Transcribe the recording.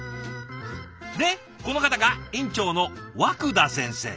でこの方が院長のわくだ先生。